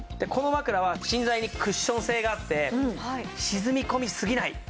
この枕は芯材にクッション性があって沈み込みすぎない。